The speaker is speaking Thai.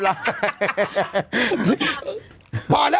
เพียบละ